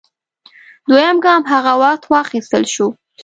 دویم ګام هغه وخت واخیستل شو